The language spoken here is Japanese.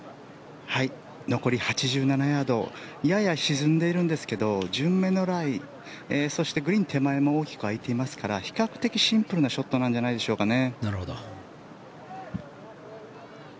残り８７ヤードやや沈んでいるんですけど順目のライそしてグリーン手前も大きく空いていますから比較的シンプルなショットなんじゃないでしょうかね。